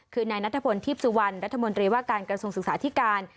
คือนายนัทพลทีพสุวรรณรัฐมนตรีว่าการกระทรวงศึกษาธิการ